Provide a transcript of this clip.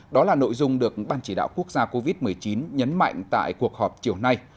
đó là nội dung được ban chỉ đạo quốc gia covid một mươi chín nhấn mạnh tại cuộc họp chiều nay